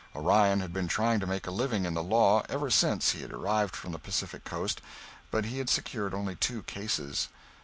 Orion had been trying to make a living in the law ever since he had arrived from the Pacific Coast, but he had secured only two cases.